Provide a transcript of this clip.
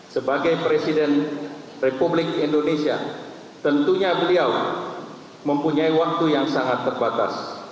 sebagai presiden republik indonesia tentunya beliau mempunyai waktu yang sangat terbatas